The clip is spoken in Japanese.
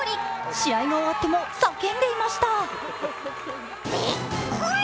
試合が終わっても叫んでいました。